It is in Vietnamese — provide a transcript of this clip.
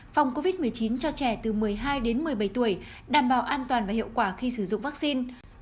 phòng covid một mươi chín cho trẻ từ một mươi hai đến một mươi bảy tuổi đảm bảo an toàn và hiệu quả khi sử dụng vaccine